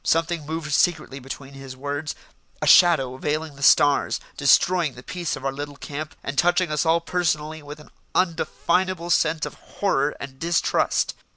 Something moved secretly between his words, a shadow veiling the stars, destroying the peace of our little camp, and touching us all personally with an undefinable sense of horror and distrust.